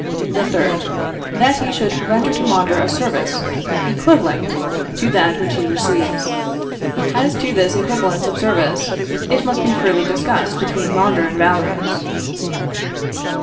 The third, that he should render to Mondor a service equivalent to that which he receives. As to this equivalence of services, it must be freely discussed between Mondor and Valerius.